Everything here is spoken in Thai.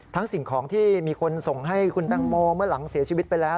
สิ่งของที่มีคนส่งให้คุณแตงโมเมื่อหลังเสียชีวิตไปแล้ว